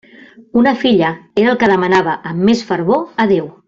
Una filla era el que demanava amb més fervor a Déu.